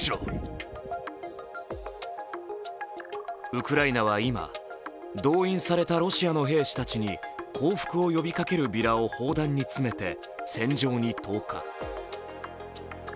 ウクライナは今、動員されたロシアの兵士たちに降伏を呼びかけるビラを砲弾に詰めて戦場に投下。